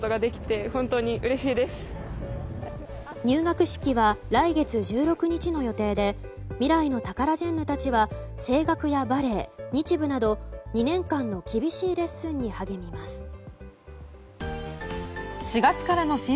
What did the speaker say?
入学式は来月１６日の予定で未来のタカラジェンヌたちは声楽やバレエ、日舞など２年間の厳しいレッスンに励みます。